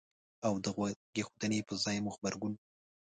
او د غوږ ایښودنې په ځای مو غبرګون